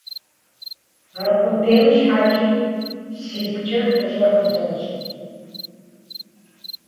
Аркъудейм щхьэкӀи сигукӀэ фӀыщӀэ хузощӀ.